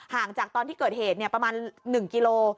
ห่างจากตอนที่เกิดเหตุประมาณ๑กิโล